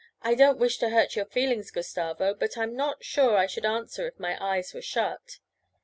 'I don't wish to hurt your feelings, Gustavo, but I'm not sure I should answer if my eyes were shut.'